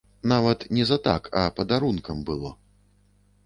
Нават не за так, а падарункам было.